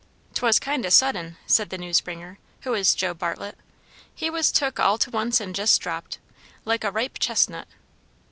"'Twas kind o' sudden," said the news bringer, who was Joe Bartlett; "he was took all to once and jes' dropped like a ripe chestnut."